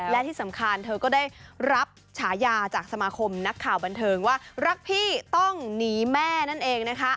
และที่สำคัญเธอก็ได้รับฉายาจากสมาคมนักข่าวบันเทิงว่ารักพี่ต้องหนีแม่นั่นเองนะคะ